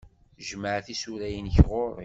Jmeɛ tisura-nni ɣur-k.